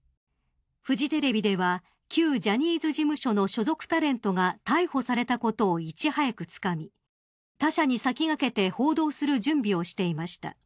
フジテレビでは旧ジャニーズ事務所の所属タレントが逮捕されたことをいち早くつかみ他社に先駆けて報道する準備をしていました。